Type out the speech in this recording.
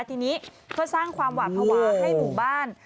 ทีนี้เพื่อสร้างความหวาดภาวะให้หมู่บ้าน